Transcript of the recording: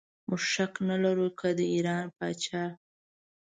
موږ شک نه لرو چې که د ایران پاچا.